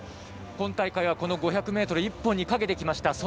今大会はこの５００ｍ１本にかけてきました。